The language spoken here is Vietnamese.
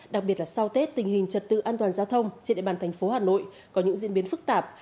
đặc biệt là sau tết tình hình trật tự an toàn giao thông trên địa bàn thành phố hà nội có những diễn biến phức tạp